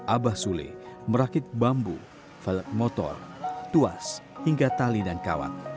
abah sule merakit bambu velek motor tuas hingga tali dan kawat